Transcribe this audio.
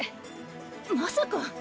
まさか！